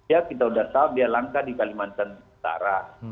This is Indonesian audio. ya kita sudah tahu dia langka di kalimantan utara